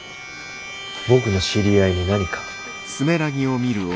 僕の知り合いに何か？